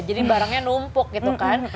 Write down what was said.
jadi barangnya numpuk gitu kan